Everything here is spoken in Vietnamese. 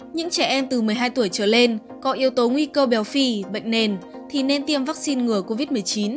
những trẻ em từ một mươi hai tuổi trở lên có yếu tố nguy cơ béo phì bệnh nền thì nên tiêm vaccine ngừa covid một mươi chín